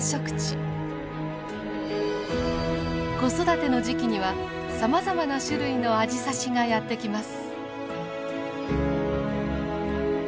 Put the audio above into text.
子育ての時期にはさまざまな種類のアジサシがやって来ます。